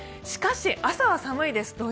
しかし、朝は寒いです。